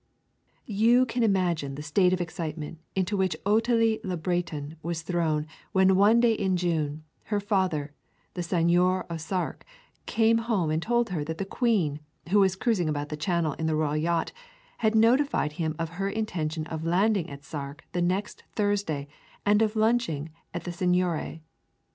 You can imagine the state of excitement into which Otillie Le Breton was thrown, when, one day in June, her father, the Seigneur of Sark, came home and told her that the Queen, who was cruising about the Channel in the royal yacht, had notified him of her intention of landing at Sark the next Thursday and of lunching at the Seigneurie.